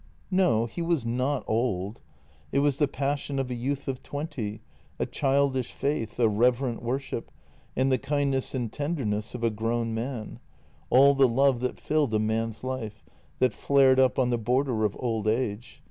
No, he was not old. It was the passion of a youth of twenty, JENNY 205 a childish faith, a reverent worship, and the kindness and tenderness of a grown man — all the love that filled a man's life — that flared up on the border of old age.